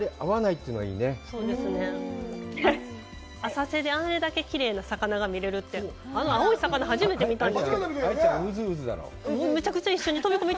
浅瀬であれだけきれいな魚が見れるって、あの青い魚初めて見ました。